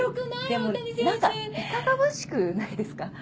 でも何かいかがわしくないですか？